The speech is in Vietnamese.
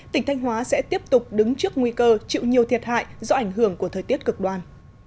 tỉnh thanh hóa sẽ tiếp tục đứng trước nguy cơ chịu nhiều thiệt hại do ảnh hưởng của thời tiết cực đoan